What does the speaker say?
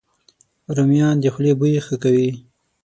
رومیان د خولې بوی ښه کوي